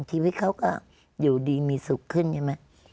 ชีวิตเขาก็อยู่ดีมีสุขขึ้นใช่ไหม